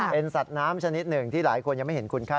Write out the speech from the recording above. เป็นสัตว์น้ำชนิดหนึ่งที่หลายคนยังไม่เห็นคุณค่า